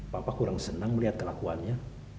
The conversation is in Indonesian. bapak kurang senang melihat kelakuannya